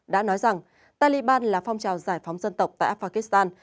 đã nói rằng taliban là phong trào giải phóng dân tộc tại afg